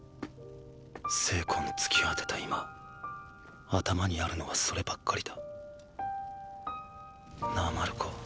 精根尽き果てた今頭にあるのはそればっかりだなぁマルコ